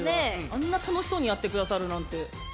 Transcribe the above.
あんな楽しそうにやって下さるなんて。